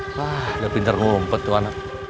wah udah pinter ngompet tuh anak